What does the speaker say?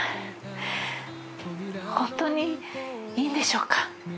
ホントにいいんでしょうか？